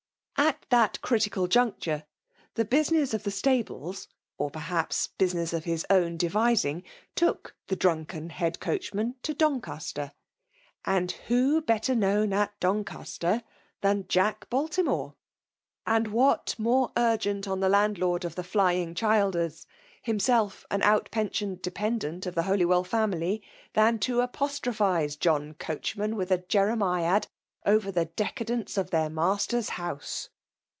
^ At that critical juncture, the business of tha sm^lesy or, perhaps, business of his own dp^ Timgv. took the drunken head coachman to Dgncastcr; and icio better known at PonL cas^ than Jack Baltimore— and what more urgent on the landlord of the FLyiug Ohildars; hjn^elf an out^pensioned depcndMit of tbft HglfwsH family, than to apostrophiae John Cf^mhrnan with, a Jeremiad ovet the decadeuf e of their maaf er*s house